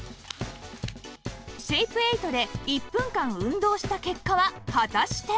シェイプエイトで１分間運動した結果は果たして